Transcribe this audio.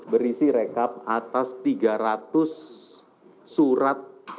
berisi rekap atas tiga ratus surat